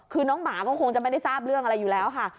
คือน้องหมาก็คงจะไม่ได้ทราบเรื่องอะไรอยู่แล้วค่ะ